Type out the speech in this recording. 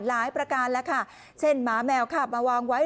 ประการแล้วค่ะเช่นหมาแมวขาบมาวางไว้